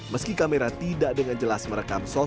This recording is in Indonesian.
meski kamera tidak dengan jelas merekam sosial